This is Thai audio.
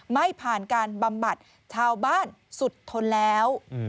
ไม่ผ่านการบำบัดชาวบ้านสุดทนแล้ว